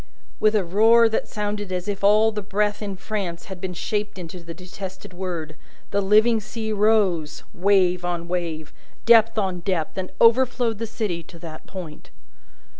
With a roar that sounded as if all the breath in France had been shaped into the detested word, the living sea rose, wave on wave, depth on depth, and overflowed the city to that point.